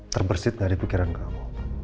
terbersih dari pikiran kamu